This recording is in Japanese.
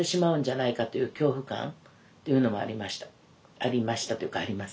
ありましたというかあります。